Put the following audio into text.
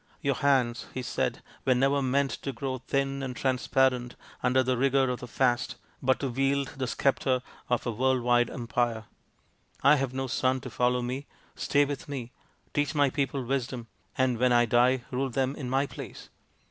" Your hands," he said, " were never meant to grow thin and transparent under the rigour of the fast, but to wield the sceptre of a world wide empire. I have no son to follow me. Stay with me, teach my people wisdom, and when I die rale them in my place."